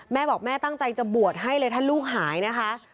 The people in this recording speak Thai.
แม่บอกแม่ตั้งใจจะบวชให้เลยถ้าลูกหายนะคะ